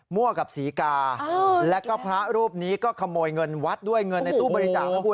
กับศรีกาแล้วก็พระรูปนี้ก็ขโมยเงินวัดด้วยเงินในตู้บริจาคนะคุณ